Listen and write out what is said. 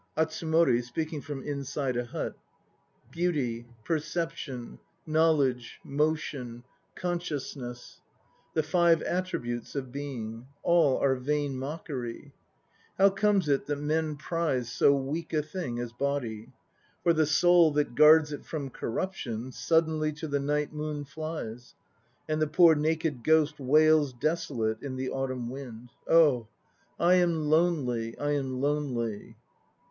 ATSUMORI (speaking from inside a hut). Beauty, perception, knowledge, motion, consciousness, The Five Attributes of Being, All are vain mockery. How comes it that men prize So weak a thing as body? For the soul that guards it from corruption Suddenly to the night moon flies, And the poor naked ghost wails desolate In the autumn wind. Oh! I am lonely. I am lonely!